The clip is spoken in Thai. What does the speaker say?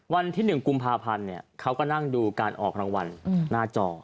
วันที่๑กุมภาพันธ์เขาก็นั่งดูการออกรางวัลหน้าจอ